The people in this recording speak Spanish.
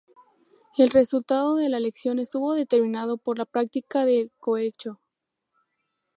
El resultado de la elección estuvo determinado por la práctica del cohecho.